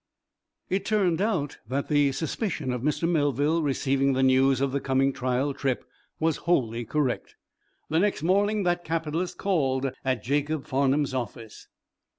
It turned out that the suspicion of Mr. Melville receiving the news of the coming trial trip was wholly correct. The next morning that capitalist called at Jacob Farnum's office.